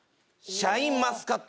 ・シャインマスカット？